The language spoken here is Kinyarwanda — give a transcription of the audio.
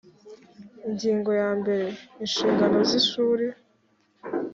ingingo ya mbere inshingano z ishuri